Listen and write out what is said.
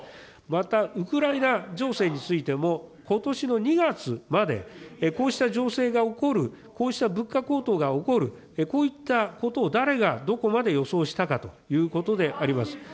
また、ウクライナ情勢についても、ことしの２月まで、こうした情勢が起こる、こうした物価高騰が起こる、こういったことを誰がどこまで予想したかということであります。